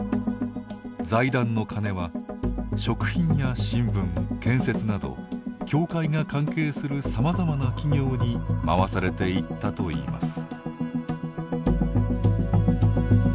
財団の金は食品や新聞、建設など教会が関係するさまざまな企業に回されていったといいます。